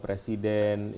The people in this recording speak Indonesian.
presiden itu berapa